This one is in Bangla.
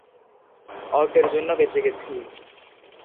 অল্পের জন্য বেঁচে গেছি।